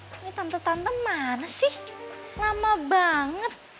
ini tante tante mana sih lama banget